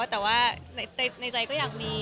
แต่ว่าในใจก็อยากมี